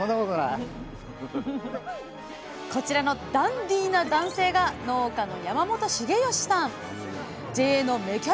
こちらのダンディーな男性がＪＡの芽